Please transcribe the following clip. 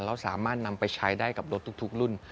แล้วสามารถนำไปใช้ได้กับรถทุกรุ่น